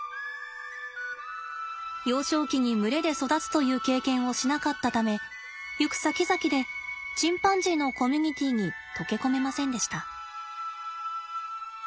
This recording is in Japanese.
幼少期に群れで育つという経験をしなかったため行くさきざきでチンパンジーのコミュニティーに溶け込めませんでした。